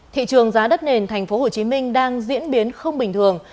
thị trường giá đất nền tp hcm đang diễn biến không bình thường